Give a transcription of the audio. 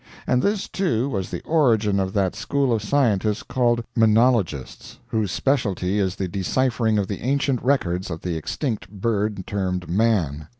And this, too, was the origin of that school of scientists called Manologists, whose specialty is the deciphering of the ancient records of the extinct bird termed Man.